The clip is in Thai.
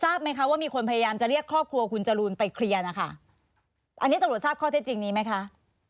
ทราบไหมคะว่ามีคนพยายามจะเรียกครอบครัวคุณจรูนไปเคลียร์นะคะอันนี้ตำรวจทราบข้อเท็จจริงนี้ไหมคะ